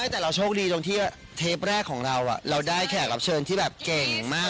แต่เราโชคดีตรงที่เทปแรกของเราเราได้แขกรับเชิญที่แบบเก่งมาก